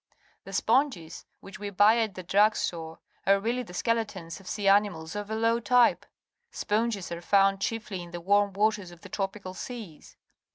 The sponges which we buy at the drug store are really the skeletons of sea animals of a low type. Sponges are found chiefly in the warm waters of the tropical seas.